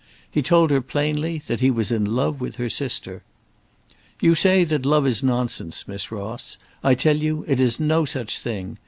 He told her plainly that he was in love with her sister. "You say that love is nonsense, Miss Ross. I tell you it is no such thing.